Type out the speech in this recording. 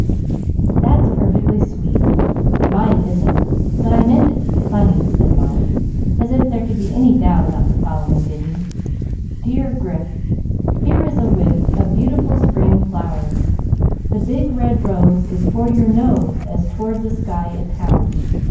"That's perfectly sweet! Mine isn't; but I meant it to be funny," said Molly, as if there could be any doubt about the following ditty: "Dear Grif, Here is a whiff Of beautiful spring flowers; The big red rose Is for your nose, As toward the sky it towers.